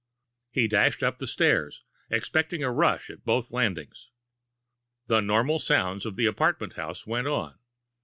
He dashed up the stairs, expecting a rush at both landings. The normal sounds of the apartment house went on.